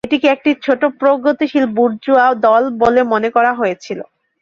এটিকে একটি ছোট প্রগতিশীল বুর্জোয়া দল বলে মনে করা হয়েছিল।